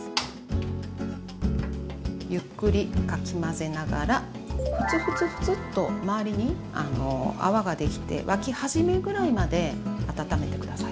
ゆっくりかき混ぜながらフツフツフツと周りに泡ができて沸き始めぐらいまで温めて下さい。